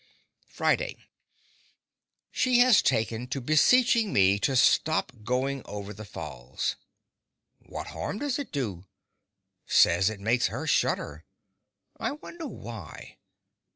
Friday She has taken to beseeching me to stop going over the Falls. What harm does it do? Says it makes her shudder. I wonder why.